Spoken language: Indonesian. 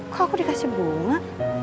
kok aku dikasih bunga